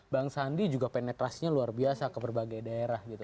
bang sandi juga penetrasinya luar biasa ke berbagai daerah gitu